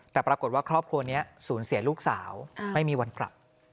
แต่ปรากฏว่าครอบครัวนี้สูญเสียลูกสาวไม่มีวันกลับ